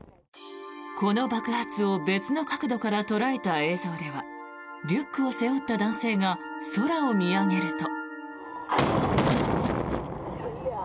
この爆発を別の角度から捉えた映像ではリュックを背負った男性が空を見上げると。